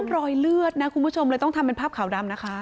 รอยเลือดนะคุณผู้ชมเลยต้องทำเป็นภาพขาวดำนะคะ